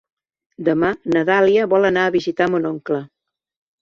Demà na Dàlia vol anar a visitar mon oncle.